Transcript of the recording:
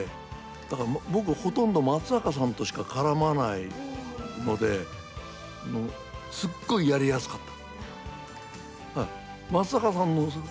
だから僕、ほとんど松坂さんとしか絡まないのですごいやりやすかった。